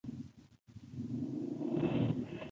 ما وویل، د دې امکان ډېر دی.